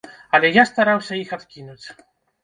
Але я стараўся іх адкінуць.